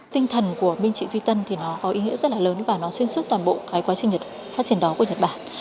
tinh thần của bên chị duy tân thì nó có ý nghĩa rất là lớn và nó xuyên suốt toàn bộ cái quá trình phát triển đó của nhật bản